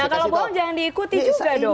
ya kalau bohong jangan diikuti juga dong